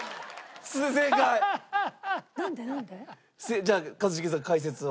じゃあ一茂さん解説を。